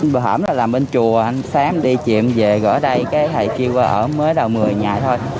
bữa hảm là làm bên chùa sáng đi chị em về gỡ đây cái thầy kêu ở mới đầu một mươi nhà thôi